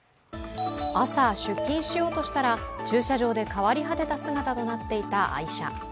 朝、出勤しようとしたら駐車場で変わり果てた姿となっていた愛車。